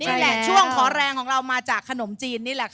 นี่แหละช่วงขอแรงของเรามาจากขนมจีนนี่แหละค่ะ